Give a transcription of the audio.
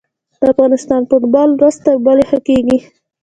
د افغانستان فوټبال ورځ تر بلې ښه کیږي.